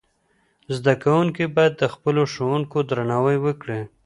زدهکوونکي باید د خپلو ښوونکو درناوی وکړي.